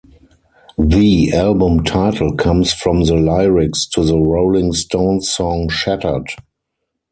The album title comes from the lyrics to the Rolling Stones song Shattered.